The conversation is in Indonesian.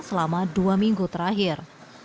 selama dua minggu terakhir